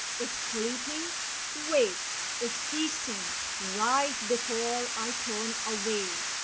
If sleeping, wake if feasting, rise before I turn away.